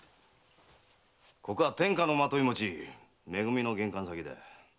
ここは天下の纏持ちめ組の玄関先だ。